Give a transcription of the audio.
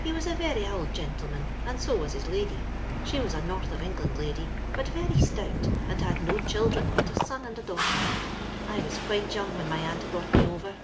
He was a very ould gintleman, and so was his lady; she was a North of Englond lady, but veiy stout, and had no children but a son and daughter. I was quite young when my aunt brought me over.